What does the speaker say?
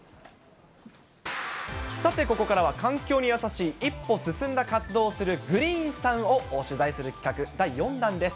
さて、ここからは環境に優しい一歩進んだ活動をするＧｒｅｅｎさんを取材する企画、第４弾です。